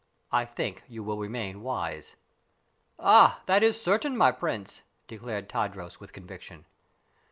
I think you will remain wise." "Ah, that is certain, my prince!" declared Tadros, with conviction.